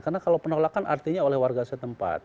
karena kalau penolakan artinya oleh warga setempat